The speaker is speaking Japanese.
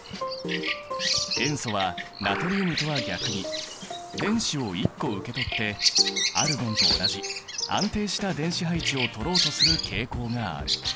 塩素はナトリウムとは逆に電子を１個受け取ってアルゴンと同じ安定した電子配置をとろうとする傾向がある。